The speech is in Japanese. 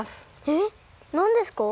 えっなんですか？